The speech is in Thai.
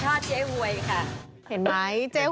ก่อนนอนกินหอยแล้วหรือยังคะหอยทอดเจ๊หวยค่ะ